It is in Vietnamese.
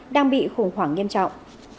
đang bị khủng hoảng nghiêm trọng